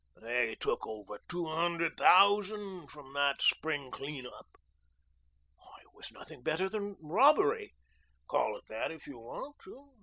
They took over two hundred thousand from the spring clean up." "It was nothing better than robbery." "Call it what you want to.